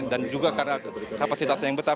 dan juga karena kapasitasnya yang besar